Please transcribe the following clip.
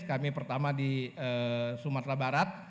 kami pertama di sumatera barat